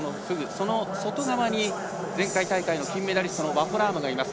その外側に前回大会の金メダリストのワホラームがいます。